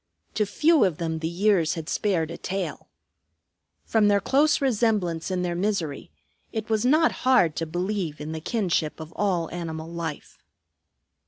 To few of them the years had spared a tail. From their close resemblance in their misery, it was not hard to believe in the kinship of all animal life.